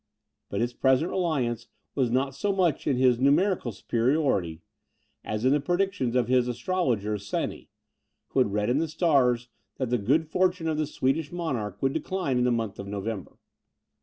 But his present reliance was not so much in his numerical superiority, as in the predictions of his astrologer Seni, who had read in the stars that the good fortune of the Swedish monarch would decline in the month of November.